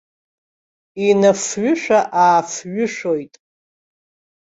Инафҩышәа-аафҩышәоит.